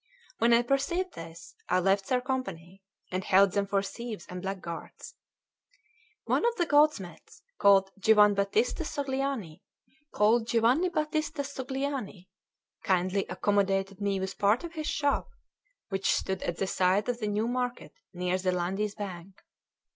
When I perceived this, I left their company, and held them for thieves and black guards. One of the goldsmiths, called Giovanbattista Sogliani, kindly accommodated me with part of his shop, which stood at the side of the New Market near the Landi's bank.